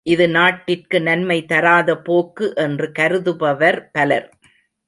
இது நாட்டிற்கு நன்மை தராத போக்கு என்று கருதுபவர் பலர்.